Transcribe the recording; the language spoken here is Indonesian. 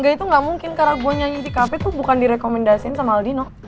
gak itu gak mungkin karena gue nyanyi di cafe tuh bukan direkomendasikan sama aldino